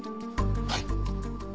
はい。